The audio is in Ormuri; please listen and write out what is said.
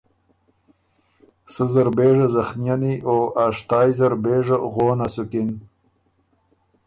سُو زر بېژه زخمئنی او اشتای زر بېژه غونه سُکِن۔